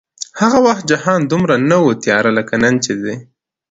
هغه وخت جهان دومره نه و تیاره لکه نن چې دی